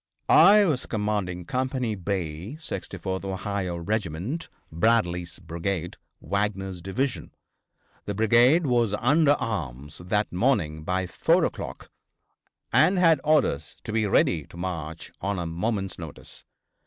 I was commanding Company B, 64th Ohio Regiment, Bradley's brigade, Wagner's division. The brigade was under arms that morning by 4 o'clock, and had orders to be ready to march on a moment's notice.